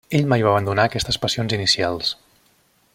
Ell mai va abandonar aquestes passions inicials.